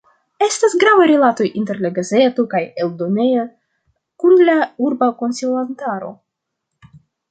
Estas gravaj rilatoj inter la gazeto kaj eldonejo kun la urba konsilantaro.